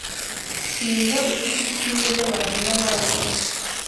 Shinga ufite ishimwe Ry’abantu n’abami